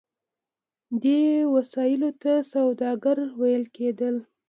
دې وسیلو ته سوداګر ویل کیدل.